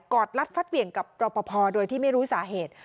อดรัดฟัดเหวี่ยงกับรอปภโดยที่ไม่รู้สาเหตุ